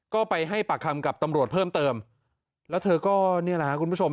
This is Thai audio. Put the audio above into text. ก็ไปให้ปากคำกับตำรวจเพิ่มเติมแล้วเธอก็นี่แหละครับคุณผู้ชม